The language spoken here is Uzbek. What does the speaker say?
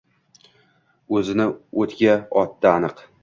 O’zni o’tga otdi aniq